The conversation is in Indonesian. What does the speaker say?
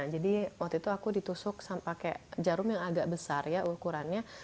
jadi waktu itu aku ditusuk pakai jarum yang agak besar